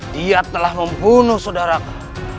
dia telah membunuh saudaraku